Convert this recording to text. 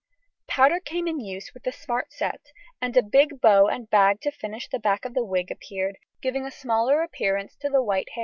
Powder came into use with the smart set, and a big bow and bag to finish the back of wig appeared, giving a smarter appearance to the white hair.